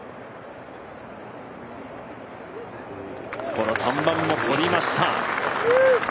この３番もとりました。